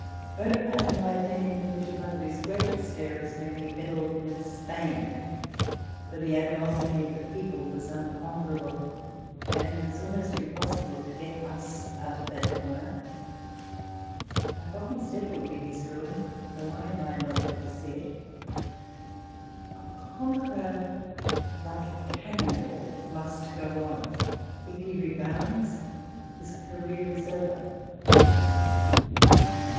Buonaparte, in my opinion, committed one of 230 RECOLLECTIONS OF THE his greatest errors when he meddled with Spain ; for the animosity of the people was unconquerable, and it was almost impossible to get us out of that corner. I have often said it would be his ruin ; though I might not live to see it. A conqueror, like a cannon ball, must go on. If he rebounds, his career is over.